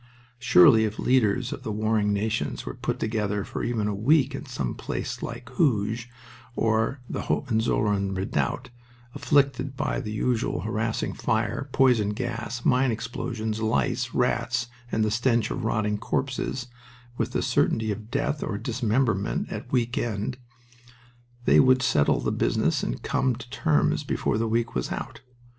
Surely if the leaders of the warring nations were put together for even a week in some such place as Hooge, or the Hohenzollern redoubt, afflicted by the usual harassing fire, poison gas, mine explosions, lice, rats, and the stench of rotting corpses, with the certainty of death or dismemberment at the week end, they would settle the business and come to terms before the week was out.